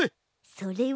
それは。